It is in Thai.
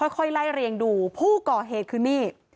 ค่อยไล่เรียงดูผู้ก่อเหตุคือนี่